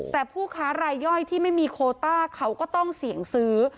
แต่ผู้ค้ารายย่อยที่ไม่มีโคต้าเขาก็ต้องเสี่ยงซื้อ